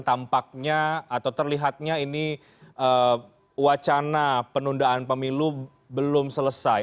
tampaknya atau terlihatnya ini wacana penundaan pemilu belum selesai